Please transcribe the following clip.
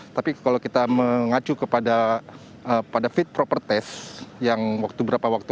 tapi kalau kita mengacu kepada fit proper test yang waktu berapa waktu